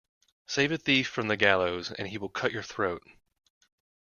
Save a thief from the gallows and he will cut your throat.